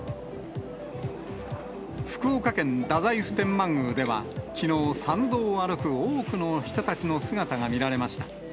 福岡県太宰府天満宮では、きのう、参道を歩く多くの人たちの姿が見られました。